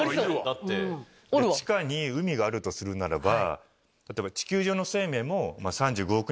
地下に海があるとするならば。